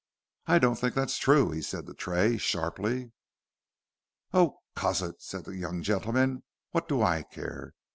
"I don't think that's true," he said to Tray sharply. "Oh, cuss it," said that young gentleman, "wot d' I care.